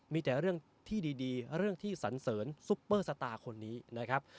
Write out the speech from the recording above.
มีแต่เรื่องที่ดีเรื่องที่สันเสริญซุปเปอร์สตาร์คนนี้นะครับ